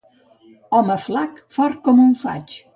Home flac, fort com un faig.